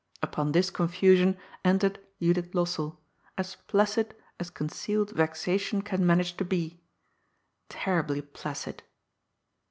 Upon this confusion entered Judith Lossell, as placid as concealed vexation can manage to be — terribly placid.